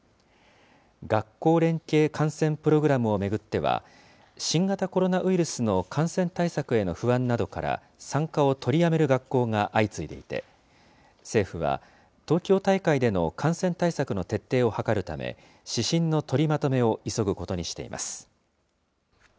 学校連携観戦プログラムを巡っては、新型コロナウイルスの感染対策への不安などから、参加を取りやめる学校が相次いでいて、政府は、東京大会での感染対策の徹底を図るため、指針の取りまとめを急ぐことにしています。